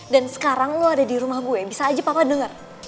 dan sekarang lo ada di rumah gue bisa aja papa denger